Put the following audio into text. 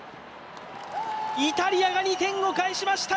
イタリアが２点を返しました